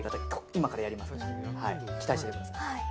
今からやりますから期待しててください。